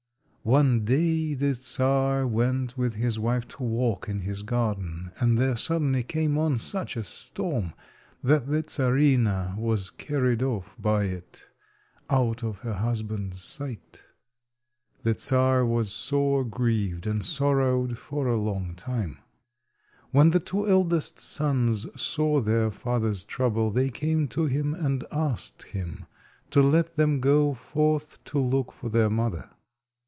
One day the Czar went with his wife to walk in his garden, and there suddenly came on such a storm that the Czarina was carried off by it, out of her husband's sight. The Czar was sore grieved, and sorrowed for a long time. When the two eldest sons saw their father's trouble they came to him, and asked him to let them go forth to look for their mother.